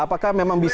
apakah memang bisa